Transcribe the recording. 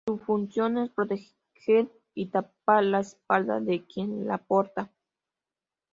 Su función es proteger y tapar la espalda de quien la porta.